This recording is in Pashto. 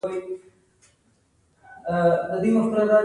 ته له کوم ځایه راغلې؟